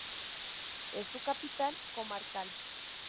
Es su capital comarcal.